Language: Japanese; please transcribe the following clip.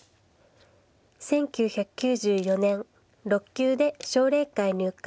１９９４年６級で奨励会入会。